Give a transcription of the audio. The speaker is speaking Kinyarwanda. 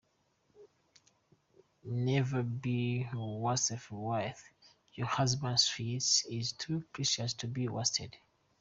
Never be a wasteful wife, your husband’s sweat is too precious to be wasted.